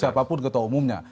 siapapun ketua umumnya